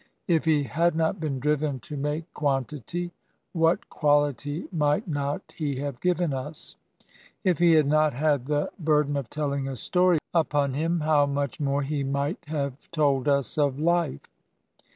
If he had not been driven to msike quantity, what quality might not he have given us 1 If he had not had the bur den of telling a story upon him, how much more he might have told us of life!